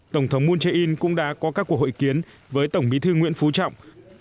tổng thống moon jae in cũng đã có các cuộc hội kiến với tổng bí thư nguyễn phú trọng